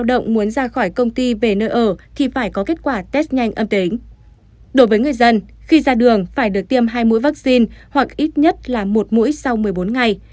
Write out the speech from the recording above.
đối với người dân khi ra đường phải được tiêm hai mũi vaccine hoặc ít nhất là một mũi sau một mươi bốn ngày